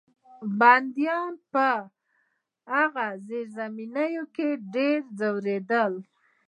بندیان به په دغو زیرزمینیو کې ډېر ځورېدل.